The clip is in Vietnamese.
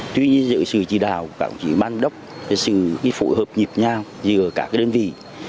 tuy nhiên dựa sự chỉ đạo cảnh sĩ ban đốc sự phối hợp nhịp nhau giữa các đơn vị